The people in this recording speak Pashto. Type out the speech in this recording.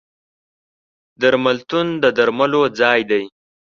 درملتون د درملو ځای دی.